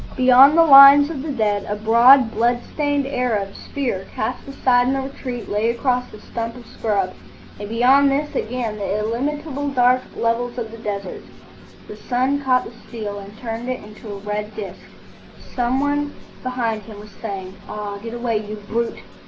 Beyond the lines of the dead, a broad blood stained Arab spear cast aside in the retreat lay across a stump of scrub, and beyond this again the illimitable dark levels of the desert. The sun caught the steel and turned it into a red disc. Some one behind him was saying, "Ah, get away, you brute!"